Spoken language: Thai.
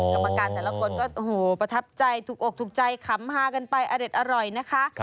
กรรมการแต่ละคนก็โอ้โหประทับใจถูกอกถูกใจขำฮากันไปอเด็ดอร่อยนะคะ